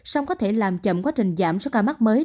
song có thể làm chậm quá trình giảm số ca mắc mới